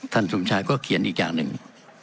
สมชายก็เขียนอีกอย่างหนึ่ง